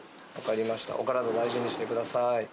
分かりました、お体大事にしてください。